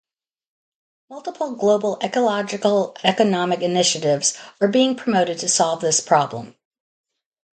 Multiple global ecological economic initiatives are being promoted to solve this problem.